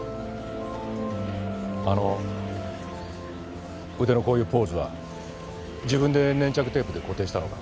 あの腕のこういうポーズは自分で粘着テープで固定したのか？